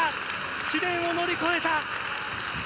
試練を乗り越えた。